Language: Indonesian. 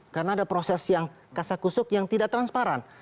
karena ada proses yang kasah kusuk yang tidak transparan